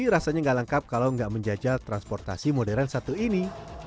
rasanya nggak lengkap kalau nggak menjajal transportasi modern satu ini